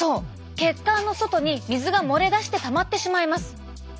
血管の外に水が漏れ出してたまってしまいます。